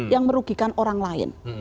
yang merugikan orang lain